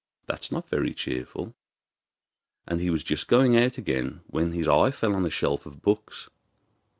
That was not very cheerful; and he was just going out again when his eye fell on a shelf of books.